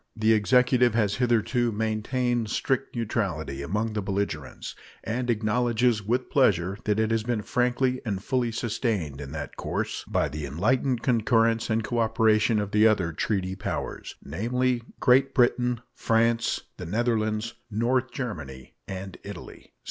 The Executive has hitherto maintained strict neutrality among the belligerents, and acknowledges with pleasure that it has been frankly and fully sustained in that course by the enlightened concurrence and cooperation of the other treaty powers, namely Great Britain, France, the Netherlands, North Germany, and Italy.